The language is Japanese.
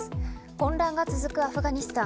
混乱が続くアフガニスタン。